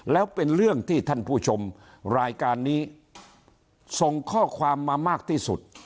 แล้วเป็นเรื่องที่ท่านผู้ชมรายการนี้ส่งข้อความมามากที่สุด